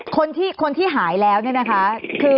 คนที่หายแล้วเนี่ยนะคะ